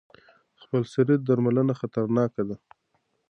خپلسري درملنه خطرناکه ده.